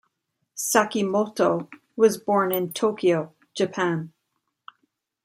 Sakimoto was born in Tokyo, Japan.